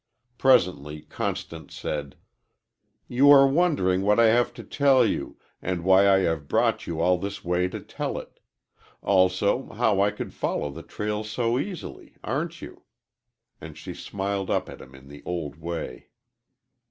Presently Constance said: "You are wondering what I have to tell you, and why I have brought you all this way to tell it. Also, how I could follow the trail so easily aren't you?" and she smiled up at him in the old way.